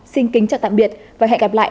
xin kính chào tạm biệt và hẹn gặp lại